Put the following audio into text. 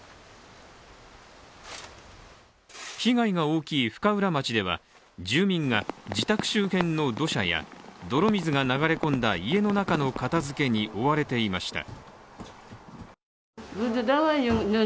被害が大きい深浦町では住民が自宅周辺の土砂や泥水が流れ込んだ家の中の片づけに追われていました。